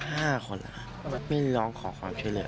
ประมาณ๕คนไม่ร้องขอความช่วยเลย